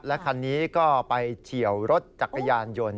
คันนี้ก็ไปเฉียวรถจักรยานยนต์